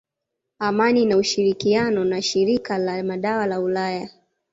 Amani ina ushirikiano na shirika la madawa la ulaya